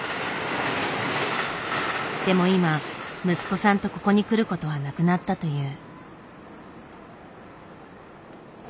でも今息子さんとここに来ることはなくなったという。